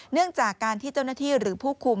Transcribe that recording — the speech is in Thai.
เนื่องจากการที่เจ้าหน้าที่หรือผู้คุม